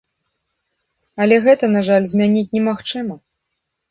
Але гэта, на жаль, змяніць немагчыма.